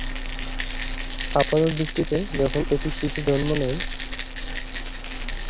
আপাতদৃষ্টিতে যখন একটি শিশু জন্ম নেয় তখন তাকে স্বাস্থ্যকর বলে মনে হতে পারে।